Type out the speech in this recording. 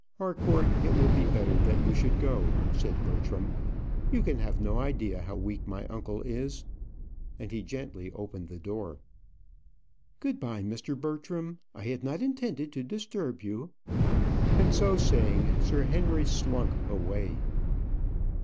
"Harcourt, it will be better that you should go," said Bertram; "you can have no idea how weak my uncle is;" and he gently opened the door. "Good bye, Mr. Bertram. I had not intended to disturb you." And so saying, Sir Henry slunk away.